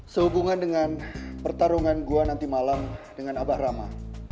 sehubungan dengan pertarungan gua nanti malam dengan abah rama